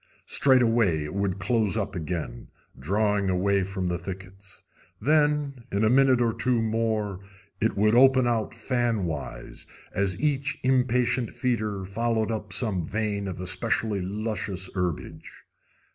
Straightway it would close up again, drawing away from the thickets. Then, in a minute or two more, it would open out fan wise, as each impatient feeder followed up some vein of especially luscious herbage.